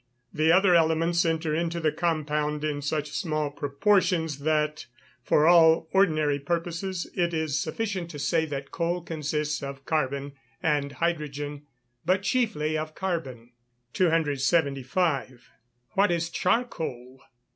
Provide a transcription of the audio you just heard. the other elements enter into the compound in such small proportions, that, for all ordinary purposes, it is sufficient to say that coal consists of carbon and hydrogen, but chiefly of carbon. 275. _What is charcoal?